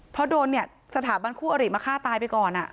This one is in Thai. เพราะโดนเนี่ยสถาบันคู่อริมาฆ่าตายไปก่อน